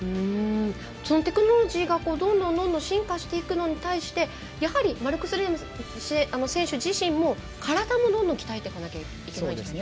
そのテクノロジーがどんどん進化していくのに対しマルクス・レーム選手自身も体もどんどん鍛えていかないといけないですね。